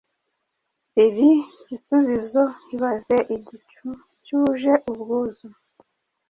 Lili gisubizo ibaze igicu cyuje ubwuzu,